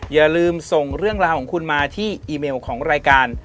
อย่าลืมส่งเรื่องราวของคุณมาที่อีเมลของรายการ